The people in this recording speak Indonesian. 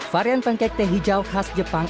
varian pancake teh hijau khas jepang